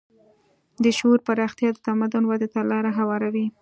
د شعور پراختیا د تمدن ودې ته لاره هواروي.